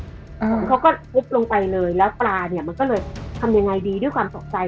ของเขาก็ปุ๊บลงไปเลยแล้วปลาเนี่ยมันก็เลยทำยังไงดีด้วยความตกใจ